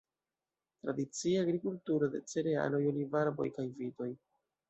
Tradicie agrikulturo de cerealoj, olivarboj kaj vitoj.